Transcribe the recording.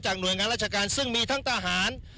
จากหน่วยรัชการซึ่งมีทั้งทหาร